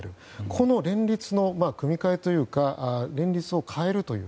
この連立の組み換えというか連立を変えるという。